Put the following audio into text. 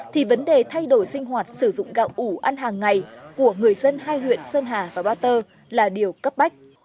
thì vấn đề thay đổi sinh hoạt sử dụng gạo ủ ăn hàng ngày của người dân hai huyện sơn hà và ba tơ là điều cấp bách